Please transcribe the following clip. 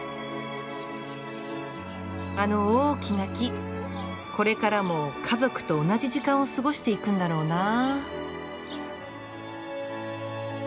あの大きな木これからも家族と同じ時間を過ごしていくんだろうなぁ。